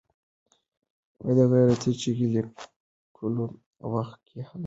د غیرت چغې لیکلو وخت کې حالات سخت وو.